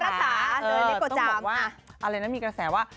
ต้องบอกว่าอะไรนะมีกระแสว่า